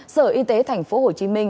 sở y tế tp hcm